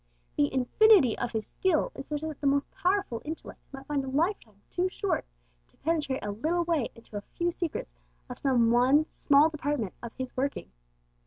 The infinity of His skill is such that the most powerful intellects find a lifetime too short to penetrate a little way into a few secrets of some one small department of His working.